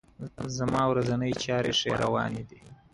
The vote was highly influenced by tactics.